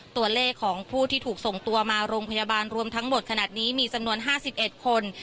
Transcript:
ตัวเลขของผู้ที่ถูกส่งตัวมาโรงพยาบาลรวมทั้งหมดขนาดนี้มีจำนวน๕๑คน